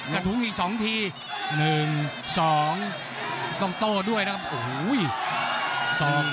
กระทุงอีก๒ที๑๒ต้องโต้ด้วยโอ้โห